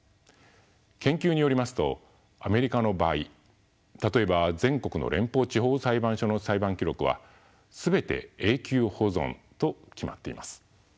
研究によりますとアメリカの場合例えば全国の連邦地方裁判所の裁判記録は全て永久保存と決まっています。